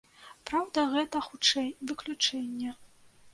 Праўда, гэта хутчэй выключэнне.